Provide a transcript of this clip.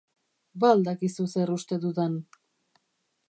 Ba al dakizu zer uste dudan?